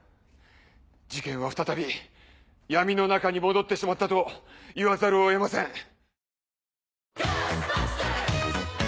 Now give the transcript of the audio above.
事件は再び闇の中に戻ってしまったと言わざるを得ません。